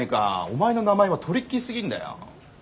お前の名前はトリッキーすぎんだよ。